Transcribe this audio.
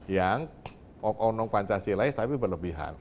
yang oknum pancasila tapi berlebihan